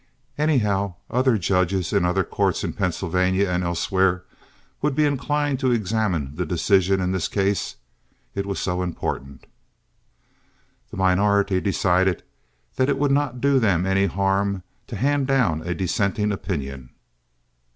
Anyhow, other judges in other courts in Pennsylvania and elsewhere would be inclined to examine the decision in this case, it was so important. The minority decided that it would not do them any harm to hand down a dissenting opinion.